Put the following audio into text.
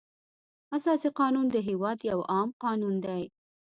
اساسي قانون د هېواد یو عام قانون دی.